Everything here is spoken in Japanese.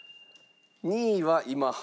２位は今半。